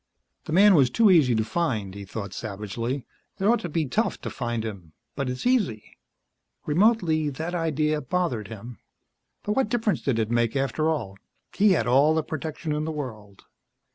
The man was too easy to find, he thought savagely. It ought to be tough to find him but it's easy. Remotely, that idea bothered him. But what difference did it make, after all? He had all the protection in the world.